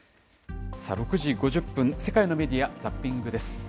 ６時５０分、世界のメディア・ザッピングです。